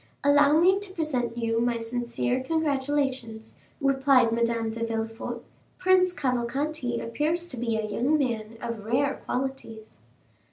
"Allow me to present you my sincere congratulations," replied Madame de Villefort. "Prince Cavalcanti appears to be a young man of rare qualities."